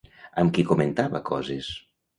Amb qui comentava coses?